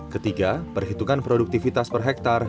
ketiga perhitungan produktivitas per hektare